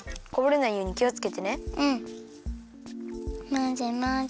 まぜまぜ。